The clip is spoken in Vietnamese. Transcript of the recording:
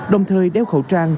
đồng thời đeo khẩu trang